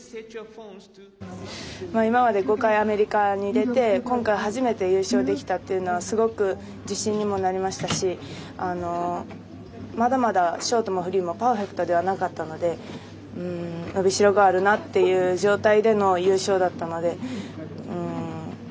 今まで、５回アメリカに出て今回初めて優勝できたっていうのはすごく自信にもなりましたしまだまだショートもフリーもパーフェクトではなかったので伸びしろがあるなっていう状態での優勝だったので。